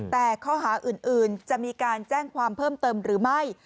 แต่ข้อหาอื่นจะมีการแจ้งความเพิ่มเติมหรือไม่